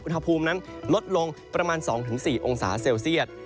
อุณหภูมินั้นลดลงประมาณ๒๔องศาเซลเซียต